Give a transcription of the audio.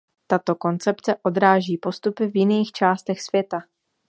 Tato koncepce odráží postupy v jiných částech světa.